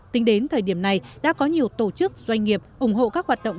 tính đến thời điểm này đã có nhiều tổ chức doanh nghiệp ủng hộ các hoạt động